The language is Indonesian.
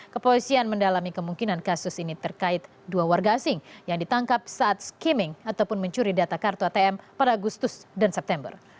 kepolisian mendalami kemungkinan kasus ini terkait dua warga asing yang ditangkap saat skimming ataupun mencuri data kartu atm pada agustus dan september